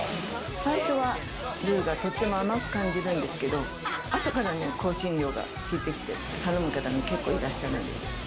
最初はルーがとっても甘く感じるんですけど、後から香辛料が効いてきて頼む方が結構いらっしゃいます。